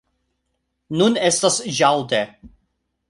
Nun estas ĵaŭde.